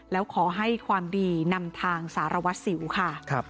แล้วขอให้ความดีนำทางสารวัตรสิวค่ะ